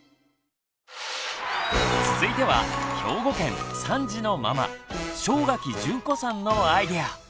続いては兵庫県３児のママ正垣淳子さんのアイデア！